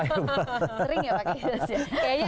sering ya pak kienes ya